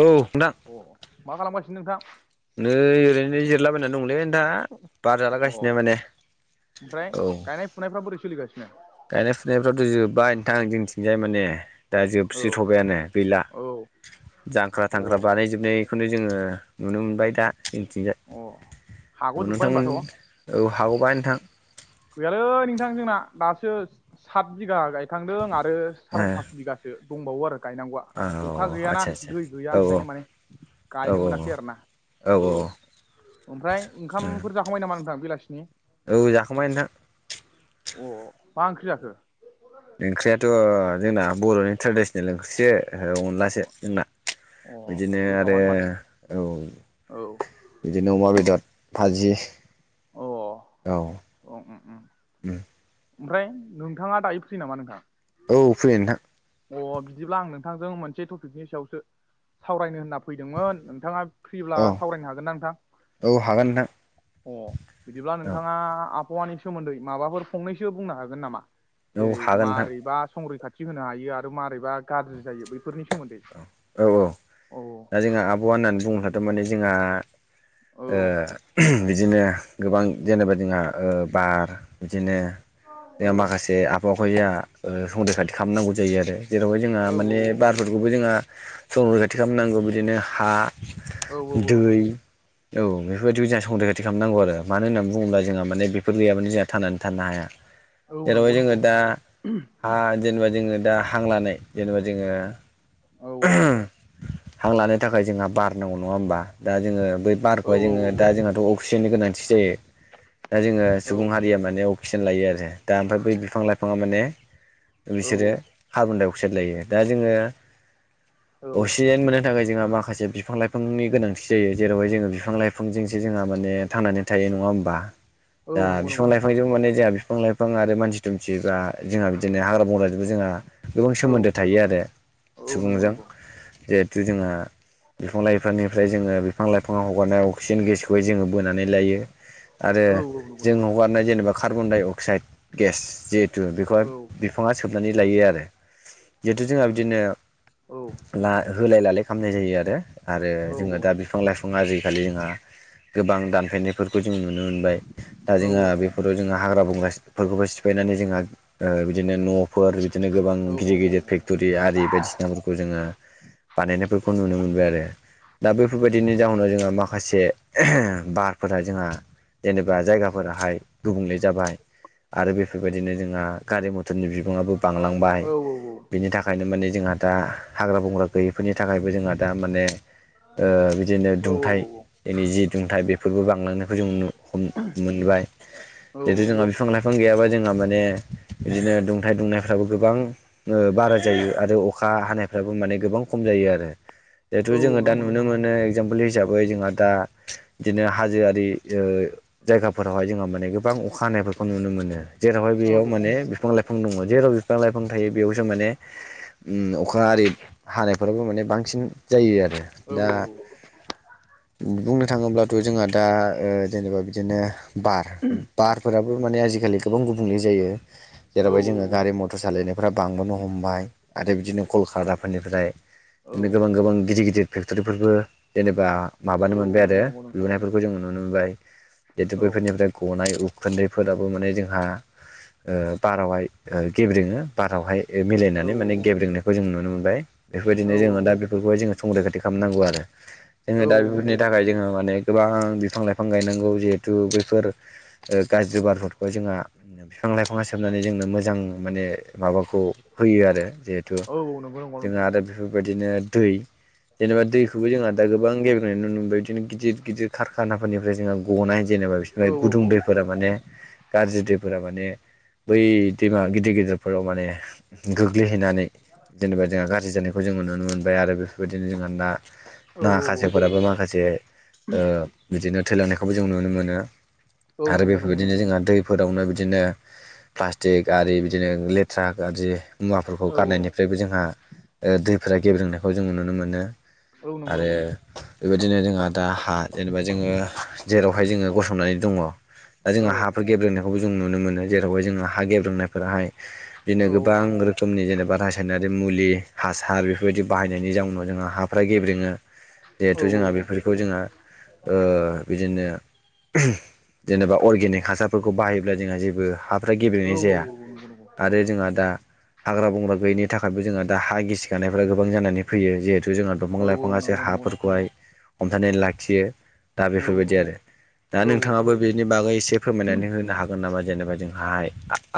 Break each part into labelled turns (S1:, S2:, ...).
S1: औ नोंथां
S2: अ मा खालामगासिनो नोंथां
S1: नै ओरैनो जिरलाबायनानै दंलै नोंथा बार
S2: अ
S1: जालागासिनो माने औ
S2: सनायफ्रा बोरै सोलिगानो
S1: गायनाय फुनायफ्राथ' जोब्बाय नोंथां जोंनिथिंजाय माने दा
S2: औ
S1: जोबस्रिथ'बायानो गैला
S2: औ
S1: जांख्रा
S2: अ
S1: थांख्रा बानायजोबनाय। बेखौनो जोङो नुनो मोनबाय दा जोंनिथिंजाय
S2: अ
S1: अ
S2: हाग'जोब्बाय
S1: नोंथांमोन
S2: होनबाथ'
S1: औ हाबोबाय नोंथां।
S2: गैयालै नोंथां जोंना दासो सात बिगा गायखांदों आरो
S1: ओ
S2: साराय पास बिगासो सो दंबावो आरो गायनांगौआ। अखा
S1: औ
S2: गैयाना
S1: आदसा आदसा
S2: दै गैया
S1: औ
S2: ओंखायनो माने
S1: औ
S2: गायनो मोनाखै आरो ना।
S1: औ औ
S2: ओमफ्राय ओंखामफोर जाखांबाय नामा नोंथां बेलासिनि?
S1: औ जाखांबाय नोंथां।
S2: अ मा ओंख्रि जाखो?
S1: ओंख्रियाथ' जोंना बर'नि ट्रेडिसनेल ओंख्रिसो अनलासो जोंना।
S2: अ
S1: बिदिनो आरो
S2: गोथावानो माथो
S1: औ।
S2: औ
S1: बिदिनो अमा
S2: औ
S1: बेदर भाजि
S2: अ ओम
S1: औ।
S2: ओम
S1: उ
S2: ओमफ्राय नोंथाङा दायो फ्रि नामा नोंथां?
S1: औ फ्रि नोंथां।
S2: अ बिदिब्ला आं नोंथांजों मोनसे टपिकनि सायावसो सावरायनो होनना फैदोंमोन नोंथाङा फ्रिब्ला
S1: औ
S2: सावरायनो हागोन ना नोंथां?
S1: औ हागोन
S2: अ बिदिब्ला
S1: नोंथां
S2: नोंथाङा आबहावानि सोमोन्दै माबाफोर फंनैसो बुंनो हागोन नामा?
S1: औ
S2: जेरै
S1: हागोन नोंथां
S2: मारैबा संरैखाथि होनो हायो आरो मारैबा गाज्रि जायो बैफोरनि सोमोन्दै।
S1: औ औ
S2: औ
S1: दा जोंहा आब'हावा होननानै बुङोब्लाथ माने जोंहा
S2: औ
S1: ओ बिदिनो गोबां जेनेबा जोंहा ओ बार बिदिनो
S2: औ
S1: जोंहा माखासे आबहावाखौ जोंहा ओ संरैखाथि खालामनांगौ जायो आरो। ओ जेरावहाय जोंहा
S2: औ
S1: माने
S2: औ
S1: बार जोंहा संरैखाथि खालामनांगौ बिदिनो हा,
S2: औ
S1: दै
S2: औ
S1: औ बेफोरबायदिखौ जोंहा संरैखाथि खालामनांगौ आरो मानो होननानै बुङोब्ला जोंहा माने बेफोर गैयाबानो जोंहा थानानै थानो हाया।
S2: औ
S1: जेरावहाय
S2: नंगौ
S1: जोङो
S2: नंगौ
S1: दा हा जेनेबा जोङो दा हां लानाय जेनेबा जोङो
S2: औ
S1: हां लानो थाखाय जोंहा बार नांगौ नङा होमबा दा जोङो बै
S2: औ
S1: बारखौहाय
S2: औ
S1: जोङो
S2: औ नंगौ
S1: दा जोंहाथ' अक्सिजेननि गोनांथि जायो। दा जोङो
S2: औ
S1: सुबुं हारिया माने अक्सिजेन लायो आरो। दा ओमफ्राय बै बिफां लाइफाङा माने
S2: औ
S1: बिसोरो कार्बन दडाइ अक्साइड लायो। दा जोङो
S2: औ
S1: अक्सिजेन मोननो थाखाय जोंहा माखासे बिफां लाइफांनि गोनांथि जायो जेरावहाय जोङो बिफां लाइफां बिफांजोंसो जोंहा माने थांनानै थायो नङा होमबा। दा
S2: औ नंगौ नंगौ
S1: बिफां
S2: नोंथां
S1: लाइफांजों माने जोंहा बिफां लाइफां बिफां आरो मानसि दुमसि बा जोंहा बिदिनो हाग्रा बंग्राजोंबो जोंहा गोबां
S2: औ
S1: सोमोन्दो थायो आरो।
S2: औ नंगौ
S1: सुबुंजों
S2: नंगौ
S1: जिहेथु जोंहा बिफां लाइफांनिफ्राय जोङो बिफां लाइफांआ हगारनाय अक्सिजेन गेसखौहाय जोङो बोनानै लायो। आरो
S2: औ औ नंगौ नंगौ
S1: जों
S2: नोंथां
S1: हगारनाय जेनेबा कार्बन-डाइ-अक्साइड गेस जिहेथु
S2: औ
S1: बेखौहाय बिफाङा सोबनानै लायो आरो जिहेथु जोंहा बिदिनो
S2: औ‌
S1: ला होलाय-लालाय खालामनाय जायो आरो, आरो
S2: औ
S1: जोङो
S2: औ
S1: दा बिफां-लाइफांआ आजिखालि जोंहा गोबां दानफायनायफोरखौ जों नुनो मोनबाय दा
S2: औ
S1: जोंहा बेफोर बेव जोंहा हाग्रा बंग्राफोरखौबो सिफायनानै जोंहा ओ बिदिनो न' फोर बिदिनो गोबां
S2: औ औ
S1: गिदिर
S2: नंगौ
S1: गिदिर
S2: नंगौ
S1: फेक्ट'रि आरि बायदिसिनाफोरखौ जोङो बानायनायफोरखौ नुनो मोनबाय आरो। दा बैफोरबायदिनि जाहोनाव जोंहा माखासे बारफोरा जोंहा जेनेबा जायगाफोराहाय गुबुंले जाबाय। आरो बेफोरबायदिनो जोंहा गारि मथरनि बिबांङाबो बांलांबाय
S2: औ औ
S1: बिनि थाखायनो माने जोंहा दा हाग्रा बंग्रा गैयिफोरनि थाखायबो जोंहा दा माने बिदिनो दुंथाइ जोंनि जि दुंथाइ बेफोरबो बांलांनायखौ जों मोनबाय जिहेथु जोंहा बिफां लाइफां गैयाबा जोंहा माने बिदिनो दुंथाइ दुंनायफ्राबो गोबां ओ बारा जायो आरो अ खा हानायफ्राबो माने गोबां खम जायो आरो।
S2: औ
S1: जेतु जोङो दा
S2: नंगौ नंगौ
S1: नुनो
S2: नोंथां
S1: मोनो इग्जामपोल हिसाबै जोंहा दा बिदिनो हाजोआरि ओ जायगाफोरावहाय जोंहा माने गोबां अखा हानायफोरखौ नुनो मोनो। जेरावहाय
S2: औ
S1: बेयाव माने बिफां लाइफां दङ' जेराव बिफां लाइफां थायो बेयावसो माने उम अखा आरि हानायफोराबो माने बांसिन जायो आरो
S2: औ
S1: दा बुंनो थाङोब्लाथ' जोंहा दा ओ जेनोबा बिदिनो बार बारफोराबो माने आजिखालि गोबां गुबुंल जायो
S2: औ
S1: जेरावहाय जोङो गारि म थर सालायनायफ्रा बांबोनो हमबाय आरो बिदिनो कलकाराफोरनिफ्राय बिदिनो गोबां गोबां गिदिर गिदिर फेक्ट'रिफोरबो जेनेबा माबानो मोनबाय आरो
S2: नंगौ नंगौ नोंथां
S1: लुनाय फोरखौ जों नुनो मोनबाय जेथु
S2: औ
S1: बैफोरनिफ्राय गनाय उ खुन्दैफोराबो माने जोंहा ओ बारावहाय ओ गेब्रेङो बारावहाय ए मिलायनानै माने
S2: औ
S1: गेब्रेंनायखौ जों नुनो मोनबाय बेफोरबायदिनो जोङो दा दा बेफोरखौहाय जोङो संरैखाथि खालामनांगौ आरो जोङो दा
S2: औ
S1: बेफोरनि
S2: नंगौ
S1: थाखाय
S2: नोंथां
S1: जोङो माने गोबां बिफां लाइफां गायनांगौ जिहेथु बैफोर ओ गाज्रि बारफोरखौाय जोंहा फिफां लाइफाङा सोबनानै जोंनो मोजां माने माबाखौ होयो आरो जे थु
S2: औ नंगौ
S1: जोङो
S2: नोंथां औ
S1: आरो
S2: औ
S1: बेफोरबायदिनो दै जेनोबा दैखौबो जोंहा दा गोबां गेब्रेनाय नुनो मोनबाय बिदिनो गिदिर गिदिर कारखानाफोरनिफ्राय जोंहा गनाय जेनोबा
S2: औ नंगौ नंगौ नोंथां औ
S1: बिसिनिफ्राय
S2: नंगौ नोंथां औ औ
S1: गुदुं
S2: औ नंगौ औ नंगौ नोंथां औ
S1: दै फोरा माने गाज्रि दैफोरा माने बै दैमा गिदिर गिदिरफोराव माने गोग्लैहैनानै
S2: द
S1: जेनोबा जोंहा गाज्रि जानायखौ जोङो नुनो मोनबाय आरो बेफोरबायदिनो जोंहा ना ना
S2: औ नंगौ
S1: खासेवफोराबो माखासे ओ बिदिनो थैलांनायखौबो जों नुनो मोनो। आरो बेफोरबायदिनो जोंहा दै फोरावनो बिदिनो प्लास्टिक आरि बिदिनो लेथ्रा गाज्रि मुवा गारनायनिफ्रायबो जोंहा ओ दैफोरा गेब्रेंनायखौ जोंङो नुनो मोनो
S2: औ नंगौ नंगौ।
S1: ओ बेबायदिनो जोंहा दा हा जेनोबा जोङो जेरावहाय जोङो गसंनानै दङ' दा जोंहा हा फोर गेब्रेंनायखौबो जों नुनो मोनो जेरावहाय जोंङो हा गेब्रेंनायफोराहाय बिदिनो गोबां रोखोमनि जेनो बा रासायनारि मुलि हासार बेफोरबायदि बाहायनायनि जाउनाव जोंहा हाफ्रा गेब्रेङो जिहेथु जोंहा बेफोर खौ जोंहा ओ बिदिनो जेनोबा अर्गेनिक हासारफोरखौ बाहायोब्ला जोंहा जेबो हा फ्रा गेब्रेनाय जाया आरो जोंहा दा हाग्रा बंग्रा गैयैनि थाखायबो जोंहा दा हा गिसि खानायफ्रा गोबां जानानै फैयो जिहेथु जोंहा दंफां लाइफाङासो हाफोरखौहाय हमथानानै लाखियो दा बेफोरबायदि आरो। दा
S2: नंगौ
S1: नोंथाङाबो बेनि बागै एसे फोरमायनानै होनो हागोन नामा जेनेबा जोंहाहाय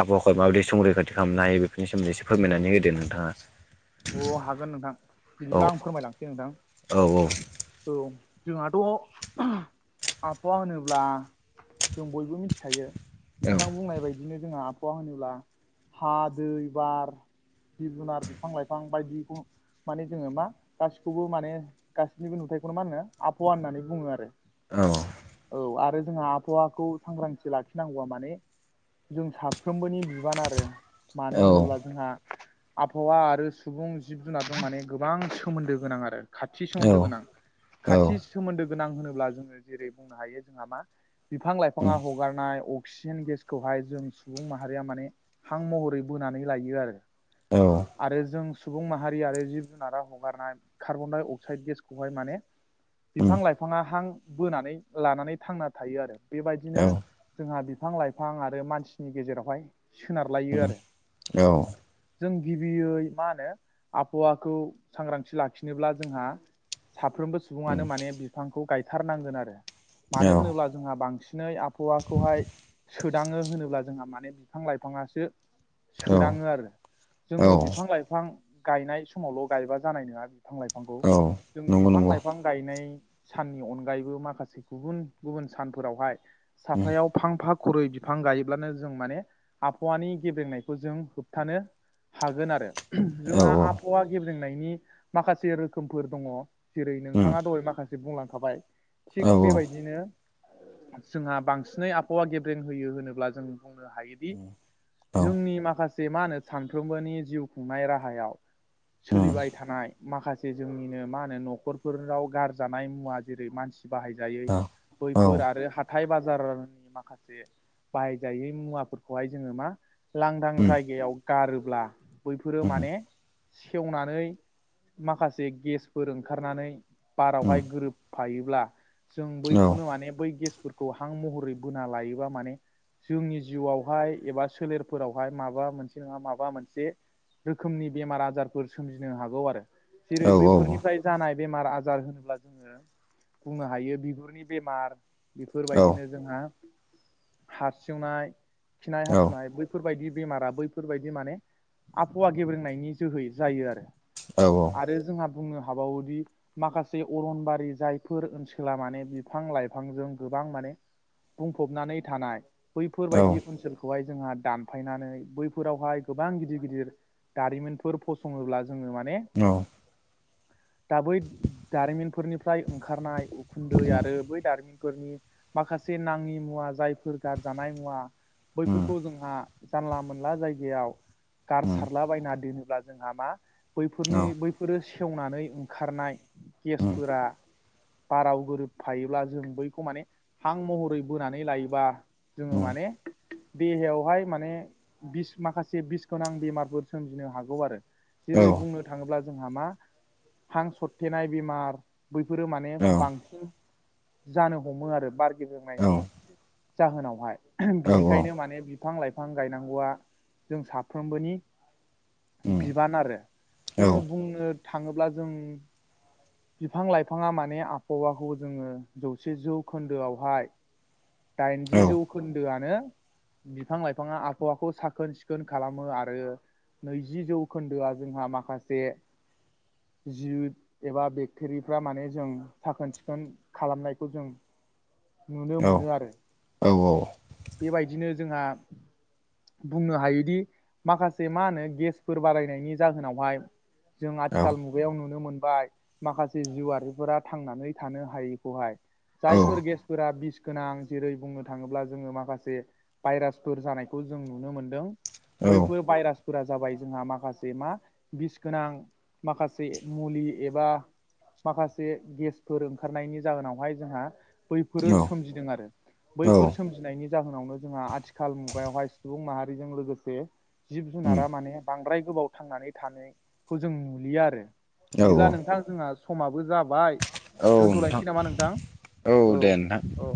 S1: आबहावाखौ माबायदि संरैखाथि खालामनो हायो बेनि सोमोन्दै एसे फोरमायनानै होदो नोंथाङा।
S2: अ हागोन नोंथां,
S1: औ
S2: बिदिब्ला आं फोरमायलांसै नोंथां।
S1: औ औ।
S2: औ जोंहाथ' आबहावा होनोब्ला जों बयबो मिथिखायो नोंथां बुंनाय बाय दिनो जोंहा आबहावा होनोब्ला हा, दै, बार, जिब जुनार बिफां लाइफां बायदिखौ माने जोङो मा गासिखौबो माने गासिनिबो नुथायखौनो मा होनो आबहावा होननानै बुङो आरो।
S1: औ।
S2: औ आरो जोंहा आबहावाखौ सांग्रांथि लाखिनांगौवा माने जों साफ्रोमबोनि बिबान आरो मानो
S1: औ
S2: होनोब्ला जोंहा आबहावा आरो सुबुं जिब जुनारजों माने गोबां सोमोन्दो गोनां आरो खाथि सोमोन्दो गोनां।
S1: औ
S2: खाथि सोमोन्दो गोनां होनोब्ला जोङो जेरै बुंनो हायो जोंहा मा? बिफां
S1: औ उम
S2: लाइफाङा हगारनाय अक्सिजेन गेसखौहाय जों सुबुं माहारिया माने। हां महरै बोनानै लायो आरो।
S1: औ
S2: आरो जों सुबुं माहारि आरो जिब जुनारा हगारनाय कार्बन दडाइ अक्साइद गेसखौहाय माने
S1: उम
S2: बिफां लाइफाङा हां बोनानै लानानै थांना थायो आरो बेबायदिनो
S1: औ
S2: जोंहा बिब बिफां लाइफां आरो मानसिनि गेजेरावहाय सोनारलायो आरो जों बि बियै मा होनो आबहावाखौ सांग्रांथि लाखिनोब्ला जोंहा साफ्रोमबो सुबुङानो माने बिफांखौ गावथारनाय नांगोन आरो। मानो
S1: औ
S2: होनोबा जोंहा बांसिन सिनै आबहावाखौहाय सोदाङो होनोब्ला जोंहा माने बिफां-लाइफाङासो।
S1: औ
S2: सोदाङो आरो
S1: औ
S2: जोङो बिफां लाइफां गायनाय समावल' गायबा जानाय नङा बिफां लाइफांखौ।
S1: औ
S2: जों
S1: नंगौ
S2: बिफां
S1: नंगौ
S2: लाइफां गायनाय साननि अनगायैबो माखासे गुबुन गुबुन सानफोरावहाय। साफायाव फांफा खुरै बिफां गायोब्लानो जों माने आबहाववानि गेब्रेंनायखौ जों होबथानो - हागोन आरो जोंहा
S1: औ
S2: आबहावा गेब्रेंनायनि माखासे रोखोमफोर दङ। जेरै
S1: उम
S2: नोंथाङा दहाय माखासे बुंलांखाबाय थिग
S1: औ
S2: बेबायदिनो जोंहा बांसिनै आबहावा गेब्रें होयो होनोब्ला जों बुंनो हायोदि।
S1: औ
S2: जोंनि माखासे मा होनो सानफ्रोमबोनि जिउ खुंनाय राहायाव सोलिबाय थानाय। माखासे जोंनिनो मा होनो न'खरफोराव गारजानाय मुवा जेरै मानसि बाहायजायै
S1: औ औ
S2: बैफोर आरो हाथ हाइ बाजारनि माखासे बाहायजायै मुवाफोरखौहाय जोङो मा? लांदां
S1: उम
S2: जायगायाव गारोब्ला बैफोरो माने - सेवनानै माखासे गेसफोर ओंखारनानै
S1: उम
S2: बारावहाय गोरोब फायोब्ला जों
S1: औ
S2: बैखौनो माने बै गेसफोरखौ हां महरै बोना लायोबा माने जोंनि जिउआवहाय एबा सोलेरफोरावहाय माबा मोनस जाङा माबा मोनसे रोखोमनि बेमार आजारफोर सोमजिनो हागौ आरो। जेरै बैफोरनिफ्राय जानाय बेमार आजार होनोब्ला जोङो बुंनो हायो बिगुरनि बेमार।
S1: औ
S2: बेफोरबायदिनो जोंहा हारसिंनाय खिनाय हासुनाय बेै बेफोरबायदि बेमारा बैफोरबायदि माने आबहावा गेब्रेंनायनि जोहै जायो आरो।
S1: औ औ
S2: आरो जोंहा बुंनो हाबावोदि। माखासे अरनबारि जायफोर ओनसोला माने बिफां लाइफांजों गोबां माने बुंफबनानै थानाय
S1: औ
S2: बैफोरबायदि ओनसोलखौहाय जोंहा दानफायनानै बैफो फोरावहाय गोबां गिदिर-गिदिर दारिमिनफोर फसङोब्ला जोङो माने
S1: औ
S2: दा बै दारिमिनफोरनिफ्राय ओंखारनाय उखुन्दै आरो बै दारिमिनफोरनि माखासे नाङि मुवा जायफोर गारजानाय मुवा
S1: उम
S2: बैफोरखौ जोंहा जानला मोनला जायगायाव गार
S1: उम
S2: सारला बायना दोनोब्ला जोंहा मा-
S1: औ
S2: बैफोरनि बैफोरो सेवनानै ओंखारनाय
S1: उम
S2: गेसफोरा बाराव गोरोबफायोब्ला जों बैखौ माने हां महरै बोनानै लायोबा
S1: उम
S2: जोङो माने देहायावहाय माने बिस माखासे बिस गोनां बेमारफोर सोमजिनो हागौ आरो
S1: औ
S2: जेरै बुंनो थाङोब्ला जोंहा मा हां सरथेनाय बेमार बैफोरो माने
S1: औ
S2: बांसिन जानो हमो आरो बारगे
S1: उम औ
S2: होननायनि जाहोनावहाय
S1: औ
S2: बिनिखायनो माने बिफां लाइफां गायनांगौआ जों साफ्रोमबोनि
S1: उम
S2: बिबान आरो जोङो बुंनो थाङोब्ला जों बिफां लाइफाङा माने आबहावाखौ जोंङो जौसे जौखोन्दोआवहाय
S1: औ
S2: दाइनजि जौखोन्दोआनो बिफां-लाइफाङा आबहावाखौ साखोन सि खोन खालामो आरो नैजि जौखोन्दोआ जोंहा माखासे जिब एबा बेक्टरिफ्रा माने जों साखोन-सिखोन खालामनायखौ जों नुनो मोनो आरो। बेबायदिनो जोंहा बुंनो हायो दि माखासे मा होनो गेसफोर बारायनायनि जाहोनावहाय जों आथिखाल मु बेयाव नुनो मोनबाय माखासे जिउआरारिफोरा थांनानै थानो हायैखौहाय जायफोर गेसफोरा बिस गोनां जेरै बुंनो थाङोब्ला जोंङो माखासे भाइरासफोर जानायखौ जों नुनो मोनदों। बैफोर बायरास फोरा जाबाय जोंहा माखासे मा बिस गोनां माखासे मुलि एबा माखासे गेसफोर ओंखारनायनि जाहोनावहाय जोंहा बैफोरो सोमजिदों आरो बैफोर सोम फिसिनायनि जाहोनावनो जोंहा आथिखाल मुगायावहाय सुबुं माहारिजों लोगोसे जिब जुनारा माने बांद्राय गोबाव थांनानै थानायखौ जों नुलिया आरो बिदिब्ला नोंथां जोंहा समाबो जाबाय
S1: नोंथां
S2: दोनथ'लायनोसै नामा नोंथां औ
S1: दे नोंथां
S2: औ